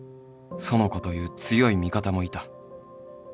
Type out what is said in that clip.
苑子という強い味方もいた